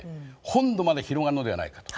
本土まで広がるのではないかと。